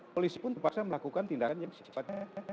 polisi pun terpaksa melakukan tindakan yang secepatnya